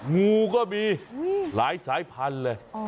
งูก็มีหลายสายพันธุ์เลย